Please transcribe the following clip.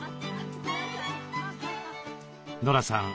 ノラさん